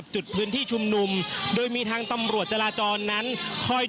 ผู้สื่อข่าวชนะทีวีจากฟิวเจอร์พาร์ครังสิตเลยนะคะ